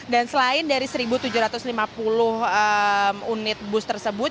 dan selain dari satu tujuh ratus lima puluh bus tersebut